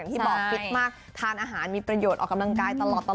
ที่บอกฟิตมากทานอาหารมีประโยชน์ออกกำลังกายตลอด